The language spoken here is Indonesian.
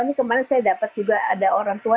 ini kemarin saya dapat juga ada orang tua